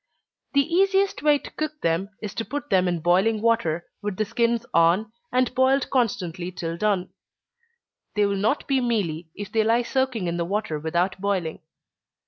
The easiest way to cook them, is to put them in boiling water, with the skins on, and boiled constantly till done. They will not be mealy if they lie soaking in the water without boiling.